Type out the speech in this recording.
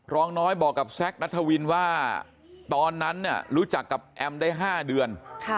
รองน้อยบอกกับแซคนัทวินว่าตอนนั้นรู้จักกับแอมได้๕เดือน